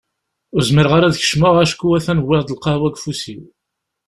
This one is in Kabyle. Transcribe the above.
Ur zmireɣ ara ad d-kecmeɣ acku a-t-an wwiɣ-d lqahwa deg ufus-iw.